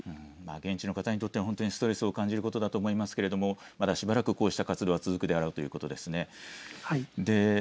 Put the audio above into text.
現地の方にとっては非常にストレスを感じることだと思いますけれども、まだしばらくこうした活動は続くであろうということですね。